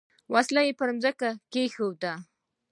وسلې پر مځکه کښېږدي.